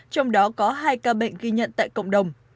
trong đó có hai ca bệnh ghi nhận tại cộng đồng